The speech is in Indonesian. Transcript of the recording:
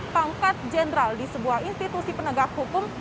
pangkat jenderal di sebuah institusi penegak hukum